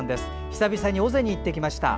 久々に尾瀬に行ってきました。